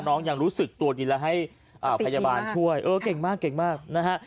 น้องยังรู้สึกตัวดีแล้วให้พยาบาลช่วยเก่งมากนะฮะ